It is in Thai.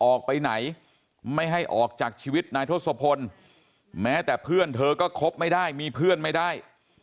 ออกไปไหนไม่ให้ออกจากชีวิตนายทศพลแม้แต่เพื่อนเธอก็คบไม่ได้มีเพื่อนไม่ได้